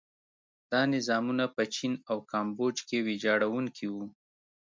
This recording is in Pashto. دا نظامونه په چین او کامبوج کې ویجاړوونکي وو.